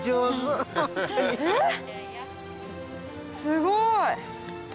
すごい！